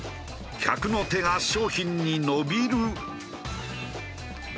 客の手が商品に伸びる伸びる。